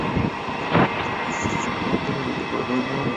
কাজেই তাকে দাগি আসামির মতো হাতকড়া পরিয়ে বিচারকাজ পরিচালনা করা যাবে না।